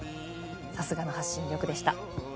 さすがの発信力でした。